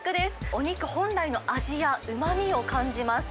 お肉本来の味やうまみを感じます。